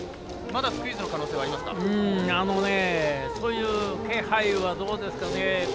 まだスクイズの可能性はそういう気配はどうですかね。